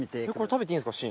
食べていいんですか？